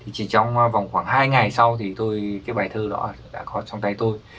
chỉ trong vòng khoảng hai ngày sau thì tôi cái bài thơ đó đã có trong tay tôi